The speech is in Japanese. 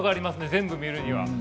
全部見るには。